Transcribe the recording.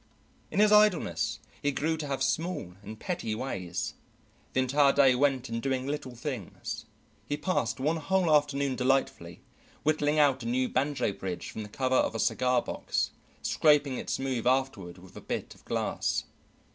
In his idleness he grew to have small and petty ways. The entire day went in doing little things. He passed one whole afternoon delightfully, whittling out a new banjo bridge from the cover of a cigar box, scraping it smooth afterward with a bit of glass.